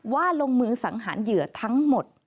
ลงมือสังหารเหยื่อทั้งหมด